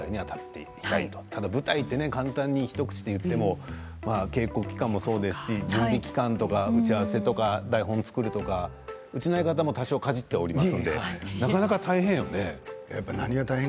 ただ舞台と簡単に一口で言っても稽古期間もそうですし準備期間とか打ち合わせとか台本作りとかうちの相方もわりとかじっておりますので。